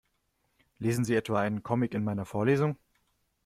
Lesen Sie etwa einen Comic in meiner Vorlesung?